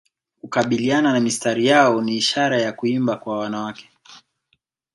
Kukabiliana na mistari yao ni ishara ya kuimba kwa wanawake